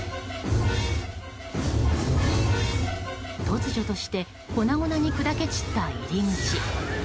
突如として粉々に砕け散った入り口。